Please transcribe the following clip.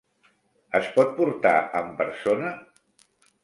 Es pot portar en persona?